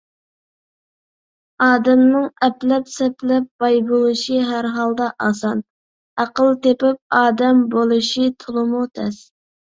ئادەمنىڭ ئەپلەپ - سەپلەپ باي بولۇشى ھەر ھالدا ئاسان؛ ئەقىل تېپىپ ئادەم بولۇشى تولىمۇ تەس.